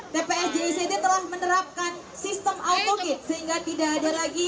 tepi sjict telah menerapkan sistem auto gate sehingga tidak ada